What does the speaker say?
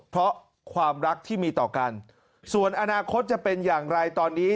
เพราะความรักที่มีต่อกันส่วนอนาคตจะเป็นอย่างไรตอนนี้